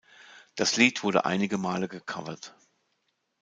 Das Lied wurde einige Male gecovert.